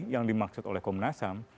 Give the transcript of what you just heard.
yang dimaksud oleh komnas ham